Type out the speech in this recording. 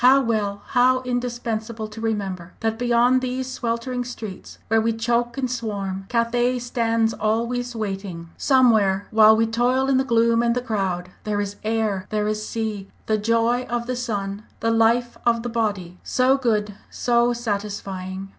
How well, how indispensable to remember, that beyond these sweltering streets where we choke and swarm, Cathay stands always waiting! Somewhere, while we toil in the gloom and the crowd, there is air, there is sea, the joy of the sun, the life of the body, so good, so satisfying!